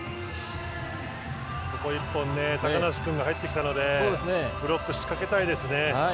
ここは１本高梨君が入ってきたのでブロック仕掛けたいですね。